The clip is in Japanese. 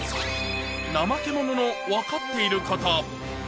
ナマケモノのわかっていること。